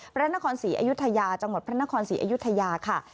พระนครศรีอยุธยาจังหวัดพระนครศรีอยุธยาค่ะ